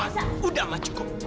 mak udah mak cukup